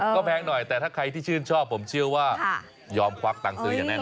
ก็แพงหน่อยแต่ถ้าใครที่ชื่นชอบผมเชื่อว่ายอมควักตังค์ซื้ออย่างแน่น